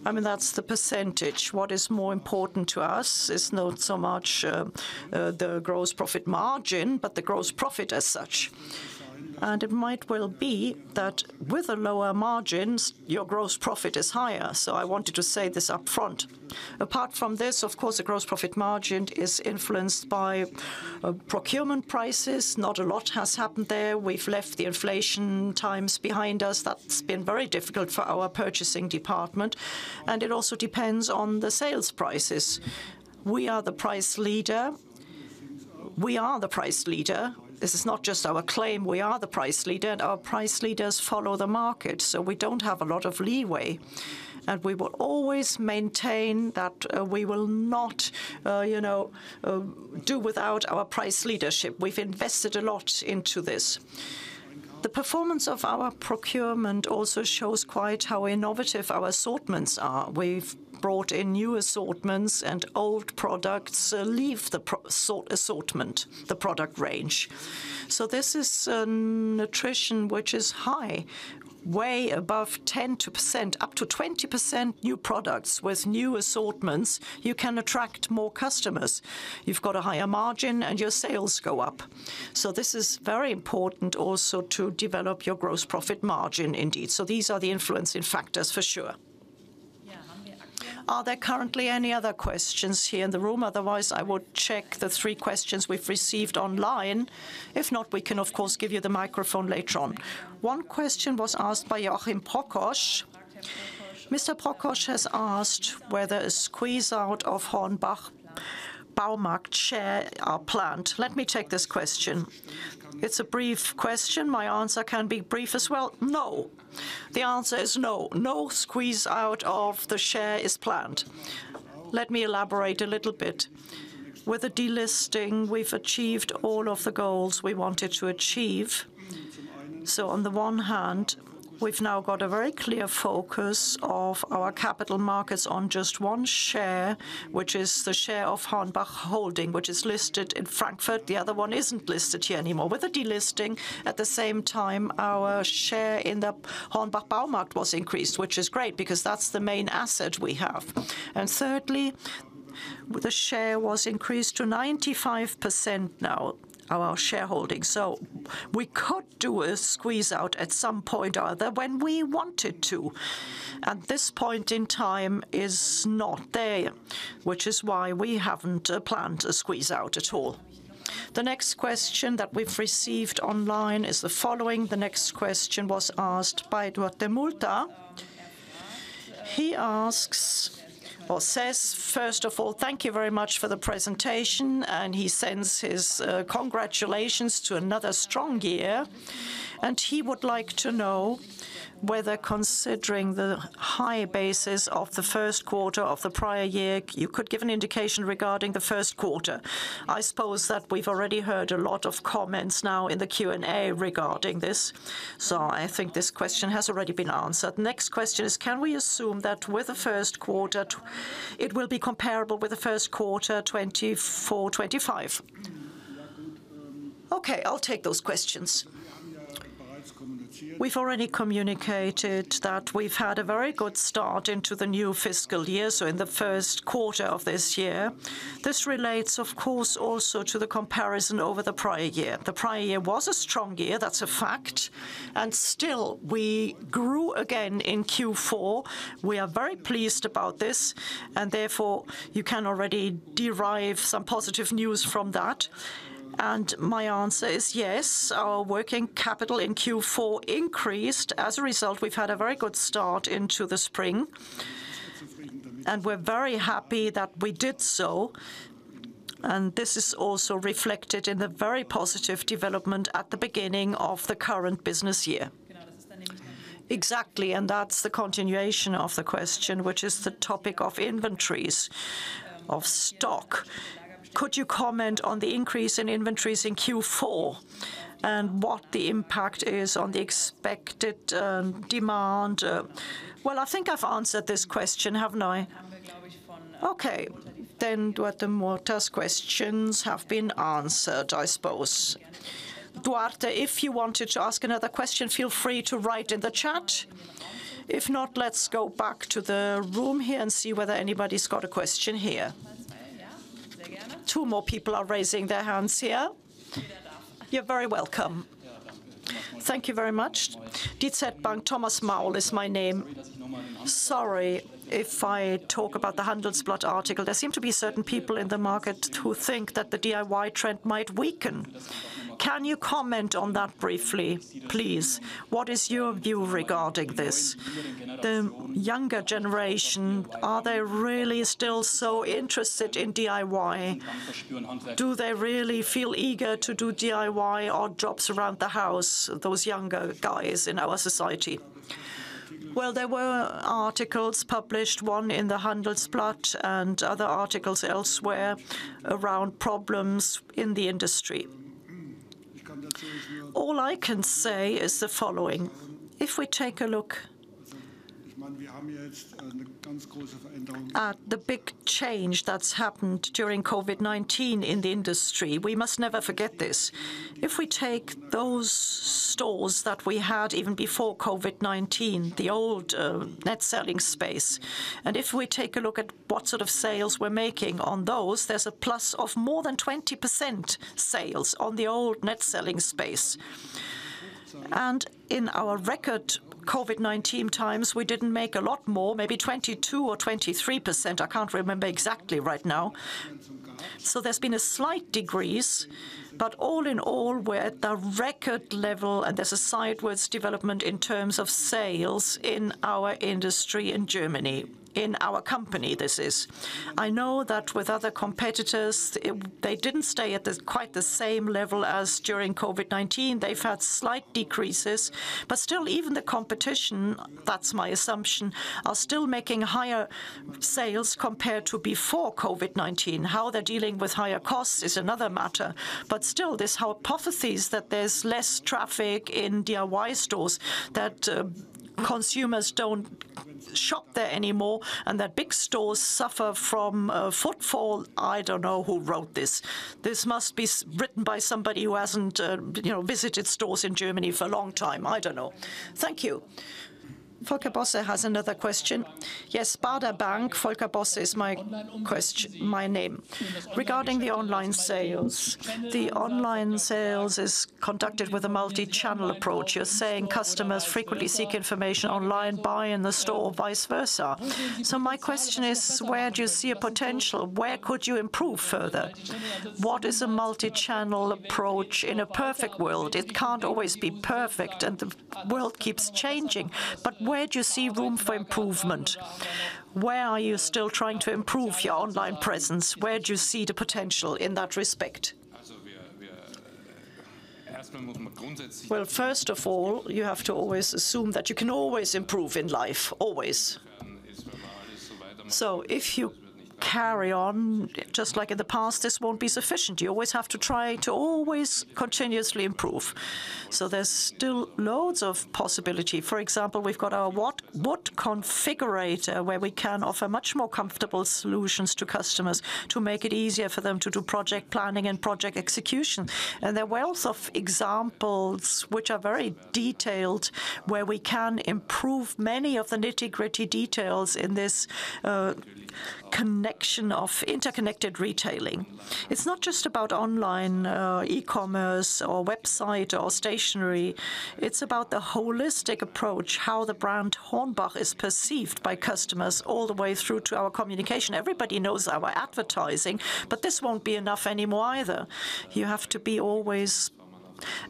I mean, that's the percentage. What is more important to us is not so much the gross profit margin, but the gross profit as such. It might well be that with the lower margins, your gross profit is higher. I wanted to say this upfront. Apart from this, of course, the gross profit margin is influenced by procurement prices. Not a lot has happened there. We've left the inflation times behind us. That's been very difficult for our purchasing department, and it also depends on the sales prices. We are the price leader. We are the price leader. This is not just our claim. We are the price leader. Our price leaders follow the market, so we don't have a lot of leeway. We will always maintain that we will not, you know, do without our price leadership. We've invested a lot into this. The performance of our procurement also shows quite how innovative our assortments are. We've brought in new assortments and old products leave the assortment, the product range. This is an attrition which is high, way above 10%. Up to 20% new products. With new assortments, you can attract more customers. You've got a higher margin and your sales go up. This is very important also to develop your gross profit margin indeed. These are the influencing factors for sure. Are there currently any other questions here in the room? If not, we can of course give you the microphone later on. One question was asked by Joachim Prokosch. Mr. Prokosch has asked whether a squeeze-out of HORNBACH Baumarkt share are planned. Let me take this question. It's a brief question. My answer can be brief as well. No. The answer is no. No squeeze-out of the share is planned. Let me elaborate a little bit. With the delisting, we've achieved all of the goals we wanted to achieve. On the one hand, we've now got a very clear focus of our capital markets on just one share, which is the share of HORNBACH Holding, which is listed in Frankfurt. The other one isn't listed here anymore. With the delisting, at the same time, our share in the HORNBACH Baumarkt was increased, which is great because that's the main asset we have. Thirdly, the share was increased to 95% now, our shareholding. We could do a squeeze-out at some point or other when we wanted to, and this point in time is not there, which is why we haven't planned a squeeze-out at all. The next question that we've received online is the following. The next question was asked by Duarte Murta. He asks or says, "First of all, thank you very much for the presentation." He sends his congratulations to another strong year, and he would like to know whether considering the high basis of the first quarter of the prior year, you could give an indication regarding the first quarter. I suppose that we've already heard a lot of comments now in the Q&A regarding this, so I think this question has already been answered. Next question is, can we assume that with the first quarter it will be comparable with the first quarter 2024/2025? Okay, I'll take those questions. We've already communicated that we've had a very good start into the new fiscal year, so in the first quarter of this year. This relates of course also to the comparison over the prior year. The prior year was a strong year, that's a fact, and still, we grew again in Q4. We are very pleased about this and therefore you can already derive some positive news from that. My answer is yes. Our working capital in Q4 increased. As a result, we've had a very good start into the spring, and we're very happy that we did so, and this is also reflected in the very positive development at the beginning of the current business year. Exactly. That's the continuation of the question, which is the topic of inventories of stock. Could you comment on the increase in inventories in Q4 and what the impact is on the expected demand? Well, I think I've answered this question, haven't I? Okay. Duarte Murta's questions have been answered, I suppose. Duarte, if you wanted to ask another question, feel free to write in the chat. If not, let's go back to the room here and see whether anybody's got a question here. two more people are raising their hands here. You're very welcome. Thank you very much. [inaudible] DZ Bank, Thomas Maul is my name. Sorry if I talk about the Handelsblatt article. There seem to be certain people in the market who think that the DIY trend might weaken. Can you comment on that briefly, please? What is your view regarding this? The younger generation, are they really still so interested in DIY? Do they really feel eager to do DIY odd jobs around the house, those younger guys in our society? There were articles published, one in the Handelsblatt and other articles elsewhere, around problems in the industry. All I can say is the following: If we take a look at the big change that's happened during COVID-19 in the industry, we must never forget this. If we take those stores that we had even before COVID-19, the old net selling space, and if we take a look at what sort of sales we're making on those, there's a plus of more than 20% sales on the old net selling space. In our record COVID-19 times, we didn't make a lot more, maybe 22% or 23%. I can't remember exactly right now. There's been a slight decrease, but all in all we're at the record level and there's a sideways development in terms of sales in our industry in Germany, in our company this is. I know that with other competitors, they didn't stay at quite the same level as during COVID-19. They've had slight decreases. Still, even the competition, that's my assumption, are still making higher sales compared to before COVID-19. How they're dealing with higher costs is another matter. This hypothesis that there's less traffic in DIY stores, that consumers don't shop there anymore and that big stores suffer from footfall, I don't know who wrote this. This must be written by somebody who hasn't, you know, visited stores in Germany for a long time. I don't know. Thank you. Volker Bosse has another question. Yes, Baader Bank. Volker Bosse is my name. Regarding the online sales, the online sales is conducted with a multi-channel approach. You're saying customers frequently seek information online, buy in the store, vice versa. My question is: where do you see a potential? Where could you improve further? What is a multi-channel approach in a perfect world? It can't always be perfect, and the world keeps changing. Where do you see room for improvement? Where are you still trying to improve your online presence? Where do you see the potential in that respect? Well, first of all, you have to always assume that you can always improve in life, always. If you carry on just like in the past, this won't be sufficient. You always have to try to always continuously improve. There's still loads of possibility. For example, we've got our WhatsApp configurator where we can offer much more comfortable solutions to customers to make it easier for them to do project planning and project execution. There are wealth of examples which are very detailed, where we can improve many of the nitty-gritty details in this connection of interconnected retailing. It's not just about online, e-commerce or website or stationary, it's about the holistic approach, how the brand HORNBACH is perceived by customers all the way through to our communication. Everybody knows our advertising, this won't be enough anymore either. You have to be always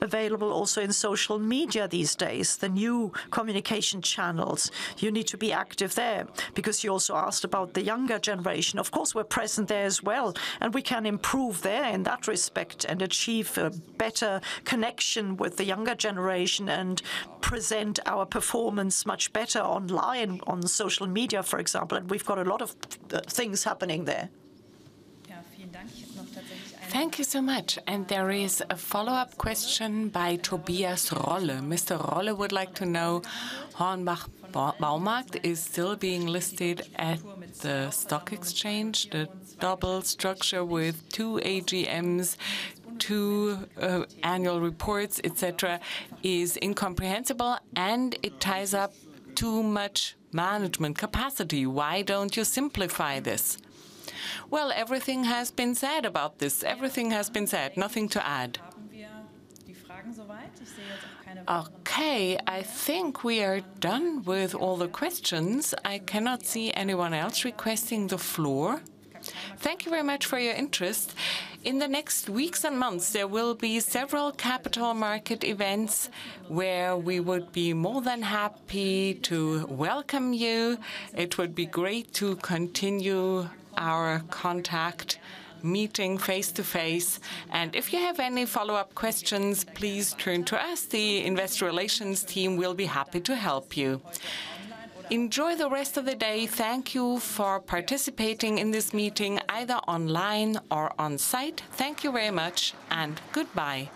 available also in social media these days, the new communication channels. You need to be active there. You also asked about the younger generation, of course, we're present there as well, and we can improve there in that respect and achieve a better connection with the younger generation and present our performance much better online on social media, for example. We've got a lot of things happening there. Thank you so much. There is a follow-up question by Tobias Rolle. Mr. Rolle would like to know, HORNBACH Baumarkt is still being listed at the stock exchange. The double structure with two AGMs, two annual reports, et cetera, is incomprehensible, and it ties up too much management capacity. Why don't you simplify this? Well, everything has been said about this. Everything has been said. Nothing to add. Okay, I think we are done with all the questions. I cannot see anyone else requesting the floor. Thank you very much for your interest. In the next weeks and months, there will be several capital market events where we would be more than happy to welcome you. It would be great to continue our contact, meeting face-to-face. If you have any follow-up questions, please turn to us. The investor relations team will be happy to help you. Enjoy the rest of the day. Thank you for participating in this meeting, either online or on site. Thank you very much, and goodbye